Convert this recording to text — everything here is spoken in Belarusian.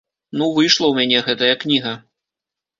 Ну выйшла ў мяне гэтая кніга.